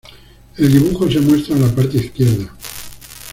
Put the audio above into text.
El dibujo se muestra en la parte izquierda.